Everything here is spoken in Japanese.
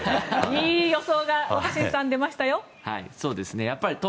いい予想が若新さん、出ましたよ。